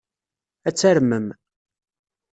Ad tarmem.